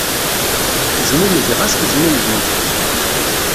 Zmummegeɣ-as tezmummeg-iyi.